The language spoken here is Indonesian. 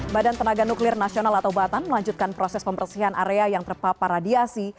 badan tenaga nuklir nasional atau batan melanjutkan proses pembersihan area yang terpapar radiasi